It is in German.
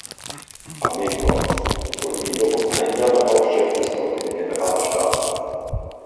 Armee-Korps und wurde wiederum ein Jahr darauf Chef des dortigen Generalstabs.